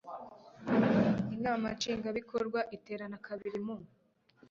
inama nshingwabikorwa iterana kabiri mu